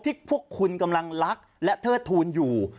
พวกคุณกำลังรักและเทิดทูลอยู่